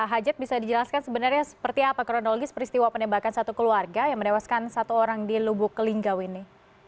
hajat bisa dijelaskan sebenarnya seperti apa kronologis peristiwa penembakan satu keluarga yang menewaskan satu orang di lubuk linggau ini